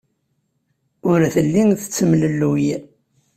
Ur telli tettemlelluy.